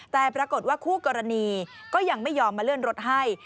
แต่ปรากฏว่าคู่กรณีก็ยังไม่ยอมมาเลื่อนรถให้